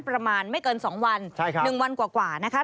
ประมาณไม่เกิน๒วัน๑วันกว่านะคะ